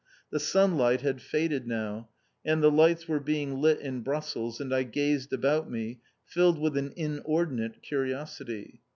The sunlight had faded now, and the lights were being lit in Brussels, and I gazed about me, filled with an inordinate curiosity.